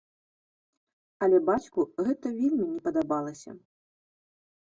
Але бацьку гэта вельмі не падабалася.